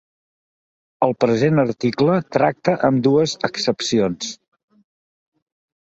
El present article tracta ambdues accepcions.